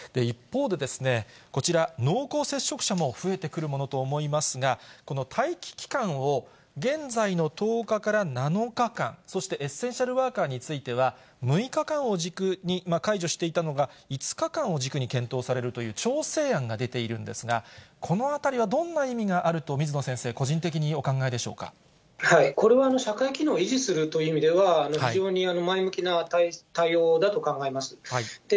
一方で、こちら、濃厚接触者も増えてくるものと思いますが、この待機期間を現在の１０日から７日間、そしてエッセンシャルワーカーについては、６日間を軸に解除していたのが、５日間を軸に検討されるという調整案が出ているんですが、このあたりはどんな意味があると、水野先生、個人的にお考えでしょこれは社会機能を維持するという意味では、非常に前向きな対応だと考えます。